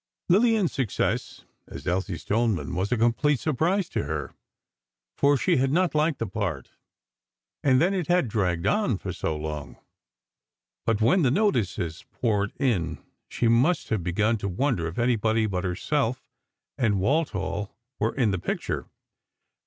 Lillian's success as Elsie Stoneman was a complete surprise to her, for she had not liked the part, and then it had dragged on so long. But when the notices poured in, she must have begun to wonder if anybody but herself and Walthall were in the picture.